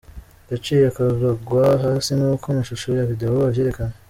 Yaciye akorogwa hasi, nkuko amashusho ya video avyerekana.